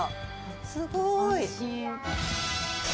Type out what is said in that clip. すごい。